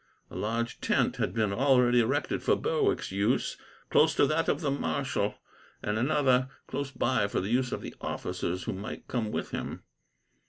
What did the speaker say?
A large tent had been already erected for Berwick's use, close to that of the marshal; and another, close by, for the use of the officers who might come with him.